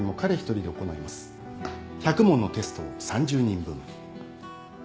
１００問のテストを３０人分。